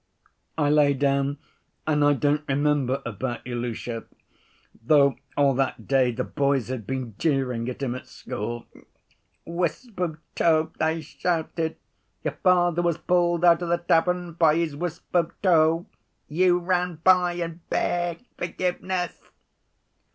I lay down and I don't remember about Ilusha, though all that day the boys had been jeering at him at school. 'Wisp of tow,' they shouted, 'your father was pulled out of the tavern by his wisp of tow, you ran by and begged forgiveness.